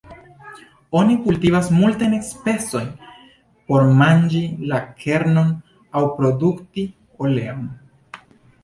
Oni kultivas multajn specojn por manĝi la kernon aŭ produkti oleon.